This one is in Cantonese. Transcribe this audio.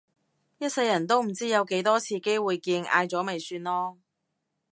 一世人都唔知有幾多次機會見嗌咗咪算囉